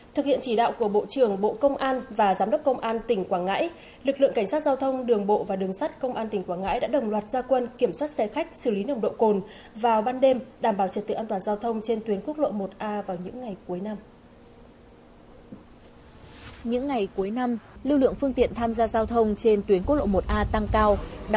thực hiện chỉ đạo của bộ trưởng bộ công an và giám đốc công an tỉnh quảng ngãi lực lượng cảnh sát giao thông đường bộ và đường sắt công an tỉnh quảng ngãi đã đồng loạt gia quân kiểm soát xe khách xử lý nồng độ cồn vào ban đêm đảm bảo trật tự an toàn giao thông trên tuyến quốc lộ một a vào những ngày cuối năm